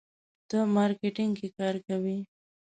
ته مارکیټینګ کې کار کوې.